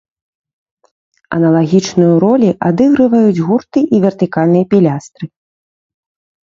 Аналагічную ролі адыгрываюць гурты і вертыкальныя пілястры.